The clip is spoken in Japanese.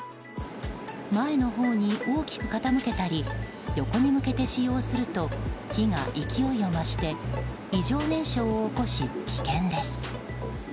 前のほうに大きく傾けたり横に向けて使用すると火が勢いを増して異常燃焼を起こし、危険です。